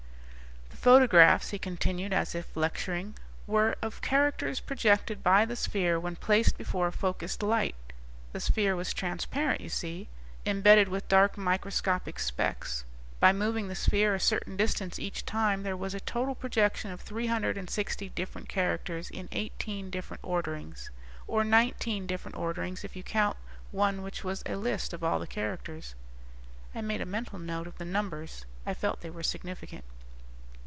"_ "The photographs," he continued, as if lecturing, "were of characters projected by the sphere when placed before a focused light. The sphere was transparent, you see, imbedded with dark microscopic specks. By moving the sphere a certain distance each time, there was a total projection of three hundred and sixty different characters in eighteen different orderings. Or nineteen different orderings if you count one which was a list of all the characters." I made a mental note of the numbers. I felt they were significant.